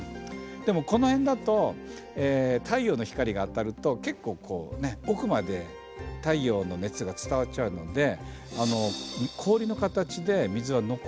でもこの辺だと太陽の光が当たると結構こう奥まで太陽の熱が伝わっちゃうので氷の形で水は残らない。